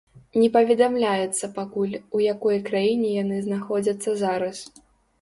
Не паведамляецца пакуль, у якой краіне яны знаходзяцца зараз.